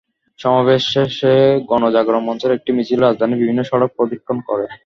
সমাবেশ শেষে গণজাগরণ মঞ্চের একটি মিছিল রাজধানীর বিভিন্ন সড়ক প্রদক্ষিণ করে।